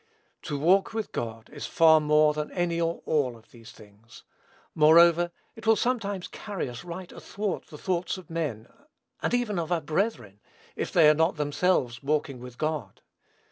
To walk with God is far more than any or all of these things. Moreover, it will sometimes carry us right athwart the thoughts of men, and even of our brethren, if they are not themselves walking with God.